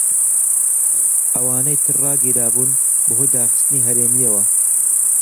ئەوانەی تر ڕاگیرابوون بەهۆی داخستنی هەرێمیەوە.